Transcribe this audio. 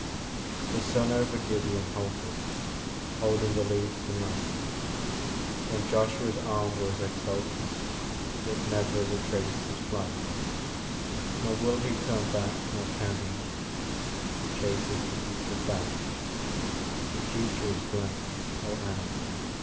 The sun over Gideon halted, Holding aloof the night, When Joshua's arm was exalted, Yet never retraced his flight; Nor will he turn back, nor can he, He chases the future fast; The future is blank oh, Annie!